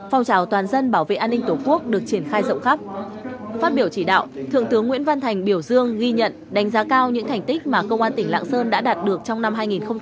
phát biểu chỉ đạo thượng tướng nguyễn văn thành biểu dương ghi nhận đánh giá cao những thành tích mà công an tỉnh lạng sơn đã đạt được trong năm hai nghìn một mươi tám